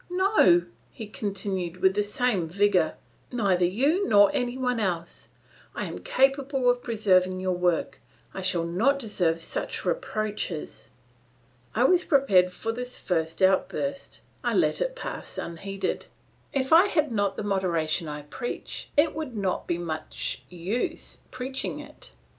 "No," he continued with the same vigour. "Neither you nor any one else; I am capable of preserving your work; I shall not deserve such reproaches." I was prepared for this first outburst; I let it pass unheeded. If I had not the moderation I preach it would not be much use preaching it!